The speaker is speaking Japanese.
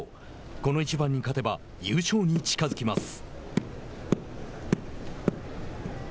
この一番に勝てば優勝に近づきます。